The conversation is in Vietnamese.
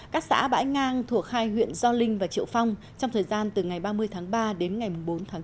các xã bãi ngang thuộc hai huyện do linh và triệu phong trong thời gian từ ngày ba mươi tháng ba đến ngày bốn tháng bốn